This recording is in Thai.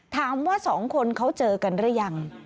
ถามว่าสองคนเขาเจอกันหรือยัง